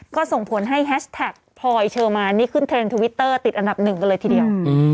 ก็ส่งผลให้แฮชแท็กพลอยเชอร์มานนี่ขึ้นเทรนดทวิตเตอร์ติดอันดับหนึ่งกันเลยทีเดียว